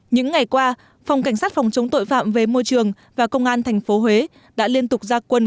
những ngày qua phòng cảnh sát phòng chống tội phạm về môi trường và công an tp huế đã liên tục ra quân